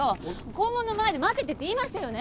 校門の前で待っててって言いましたよね